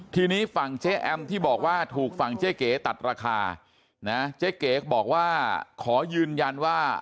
ทีนี้ฝั่งเจ๊แอมที่บอกว่าถูกฝั่งเจ๊เก๋ตัดราคานะเจ๊เก๋บอกว่าขอยืนยันว่า